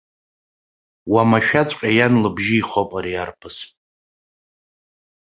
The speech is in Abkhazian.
Уамашәаҵәҟьа иан лыбжьы ихоуп ари арԥыс.